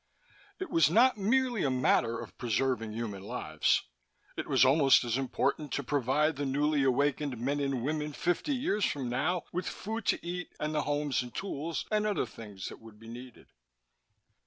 It was not merely a matter of preserving human lives. It was almost as important to provide the newly awakened men and women, fifty years from now, with food to eat and the homes and tools and other things that would be needed.